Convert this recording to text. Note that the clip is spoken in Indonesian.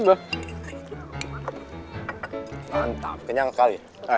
mantap kenyang sekali